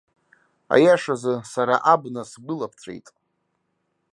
Аиашазы, сара абна сгәы ылаԥҵәеит.